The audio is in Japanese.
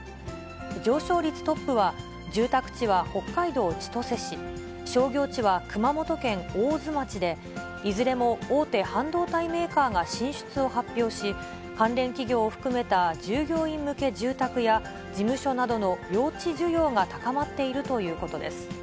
上昇率トップは、住宅地は北海道千歳市、商業地は熊本県大津町で、いずれも大手半導体メーカーが進出を発表し、関連企業を含めた従業員向け住宅や、事務所などの用地需要が高まっているということです。